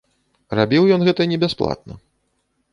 Рабіў ён гэта не бясплатна.